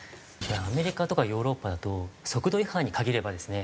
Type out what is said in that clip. アメリカとかヨーロッパだと速度違反に限ればですね